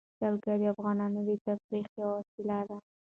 جلګه د افغانانو د تفریح یوه وسیله ده.